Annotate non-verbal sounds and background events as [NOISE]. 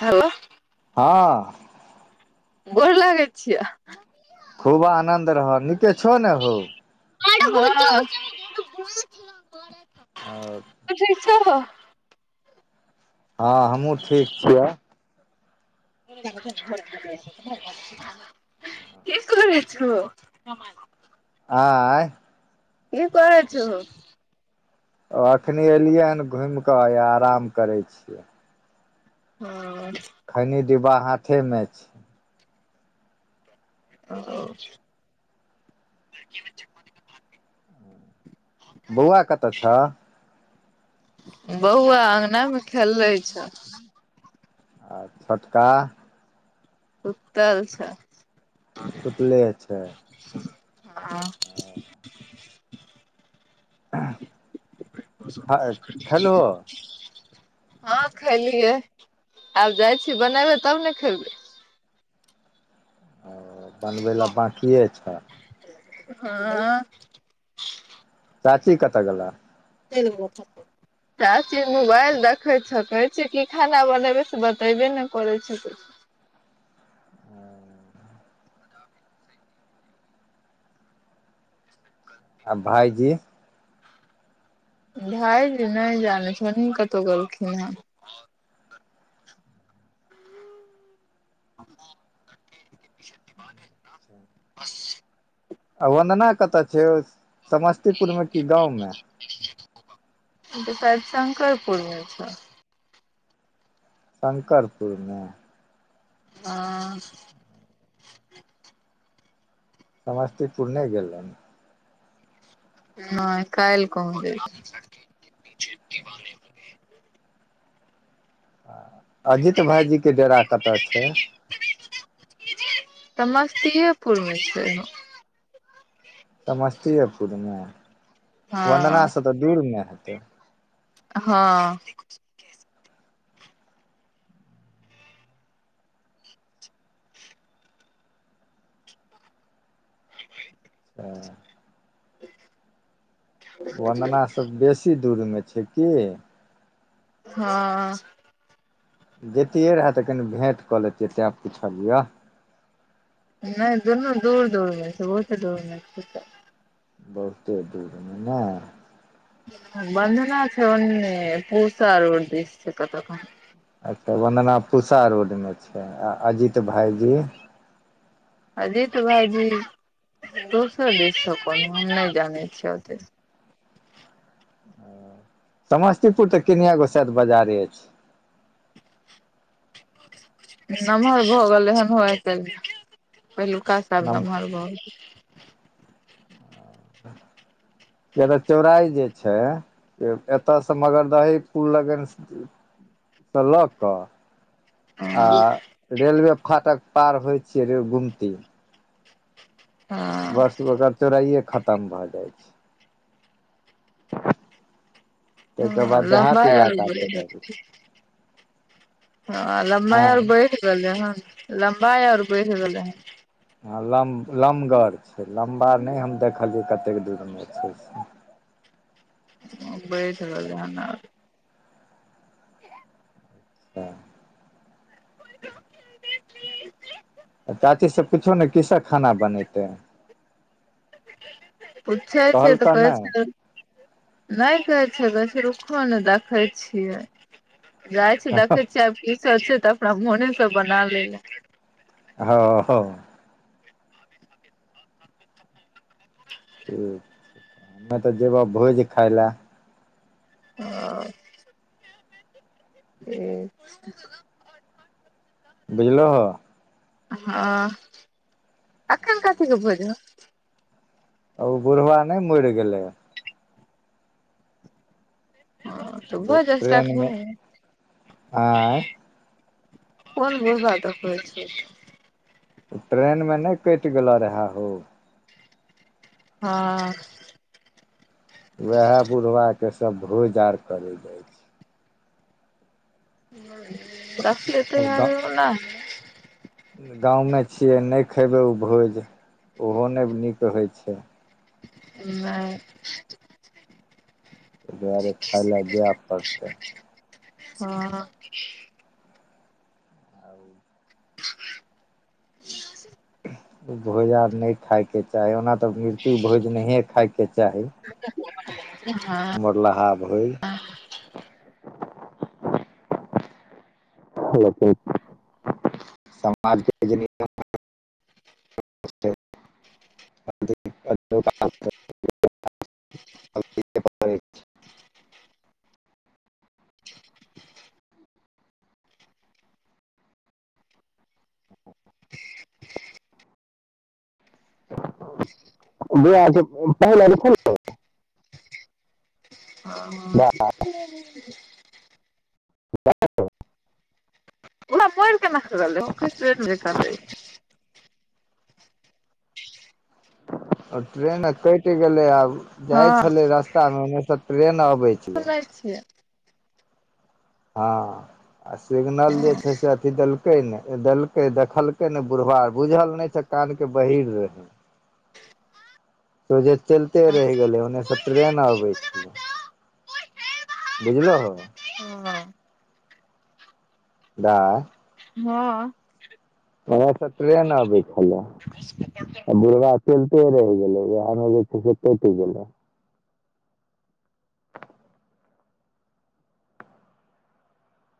Hello हँ। गोर लागै छियै। खूब आनन्द रहऽ नीके छऽ नऽ हौ। हँ हँ तू ठीक छोहो? हँ हमहूँ ठीक छियऽ। की करै छो? आँय कि करेै छोहो? ओ एखनी एलियै हन घुइम कऽ या आराम करै छियै। हँ। खैनी डिब्बा हाथे में छै। ओ- बौआ कतऽ छऽ। बौआ अँगना मे खेलै छऽ। आ छोटका- सुतल छै। सुतले छै? हँ। [UNINTELLIGIBLE] एह [UNINTELLIGIBLE] हँ खेलियै आब जाइ छी बनेबे तब ने खेबै। ओ बनबै लेए बांकिये छइ। हँ [INAUDIBLE] चाची कतऽ गेलेए। त ब [INAUDIBLE] चाची मोबाइल देखै छथि कहै छियै की खाना बनेबै से बतैबे ने करै छथिन। आ भाइजी? भायजी नै जानै छी ओनही कतौ गेलखिन हें। दिवे है बस [INAUDIBLE] आ वंदना कतऽ छै ओ समस्तीपुर मे कि गाँव मे? ओ त शायद शंकरपुर मे छै। शंकरपुर मे। हॅं। समस्तीपुर नै गेल रहौं। नै काइल्ह कहबै। अजीत भायजी के डेरा कतऽ छै? समस्तीयेपुर मे छै। समस्तीयेपुर मे वन्दना हँ से तऽ दूर ने हेतै? हँ। ह वंदना सब बेसी दूर मे छै की? हँ। जैतियै रहे त कनि भेँट कऽ लेैतियै तें पूछलियऽ। नै दुनू दूर - दूर मे छै बहुते दूर मे छै। बहुते दूर मे ने। बन्धना छै ओन्ने पूसा रोड दिस छै कतौ क अच्छा वंदना पूसा रोड मे छै आ अजीत भाईजी? अजीत भायजी दोसर दिस छै पर हम नै जानै छियै ओते। ओ समस्तीपुर तऽ किनये गो शायद बजारे एइछ। नमहर भऽ गेलै हन होइते पहिलुका स आब नम नमहर भऽ गेल। [INAUDIBLE] जेना चौड़ाइ जे छै एतऽ से मगरदही पुल लगन से लऽ कऽ आ हँ रेलवे फाटक पार होइ छियै रे गुमती, हँ बस ओकर चौड़ाइये खतम भऽ जाइ छै। हॅं ताहिके आ बाद देहात लम्बाइ इलाका चलि [UNINTELLIGIBLE] आबै छै ठीक। हँ आ लम्बाइ हँ आर बैढ़ गेलै हन लम्बाइ आर बैढ़ गेलै हन। हँ लम - लमगर छै लम्बा नै हम देखलियै कतेक दूर मे छै से। बैठ रहलै हन आब। हच [INAUDIBLE] चाची सँ पूछियौ ने की स खाना बनेतैै। पूछै छियै तऽ कहलकऽ कहै नहि छन नय कहै छै, कहै छै रुखो न देखै छियै। जाइ छीयै देखै छै आब किसब छै तऽ अपना मोने स बनालैला ह ह ठीक छै त हमे तऽ जेबा भोज खाय लए। [UNINTELLIGIBLE] ठिक छैय बुझलह ह एखन कथीके भोज ह ओ बुढ़वा नै मैर गेलै। हं त जे भोज एसटाट करु ट्रेनमे ने आँय कोन बुढ़बा द कहै छीए ट्रेनमे नै कैट गेलो रहए हो। हांँ वएह बुढ़बाके सभ भोज आर करै जाइ छै। रखले तऽ एरोना गाँव म छियै नै खयबै ओ भोज ओहो नै नीक होइ छै। नै तइदुआरे खाइ लए जैए पड़तै। हँ भोज आर नै खायके चाही ओना तऽ मृत्यु भोज नहिए खायके चाही। हँ मरलाहा भोइ समाजके [UNINTELLIGIBLE] अचछा [UNINTELLIGIBLE] ब पहिला रख [UNINTELLIGIBLE] हँ वाह [UNINTELLIGIBLE] [UNINTELLIGIBLE] जा [UNINTELLIGIBLE] बर केना [UNINTELLIGIBLE] आ ट्रेन कैट गेलै आब जाइ हँ छलै रस्तामे ओन्नेसँ ट्रेन अबै छलै। छिया आ सिगनल जे छै से अथी देल देलकै नै देलकै देखलकै ने बुढ़वा बुझल नै छ कान के बहीर रहै। त जे चैलते रैह गेलै ओन्नेसँ ट्रेन आबै छलै बुझलहो। हं दा हँ ओने स ट्रेन अबैइ छलैय आ बुढ़बा चैलते रहि गेलै उहै मे जे छैय से कैट गेलै